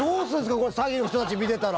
これ、詐欺の人たち見てたら。